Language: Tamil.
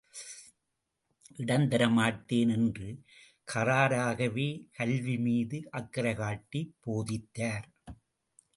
இடம் தரமாட்டேன் என்று கறாராகவே கல்வி மீது அக்கறை காட்டிப் போதித்தார்.